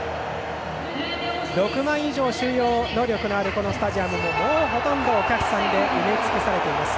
６万以上収容能力のあるこのスタジアムももうほとんどお客さんで埋め尽くされています。